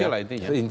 ya kecil lah intinya